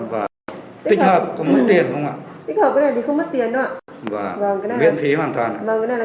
và cái này là miễn phí hoàn toàn ạ